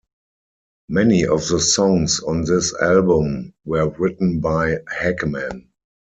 Many of the songs on this album were written by Hagman.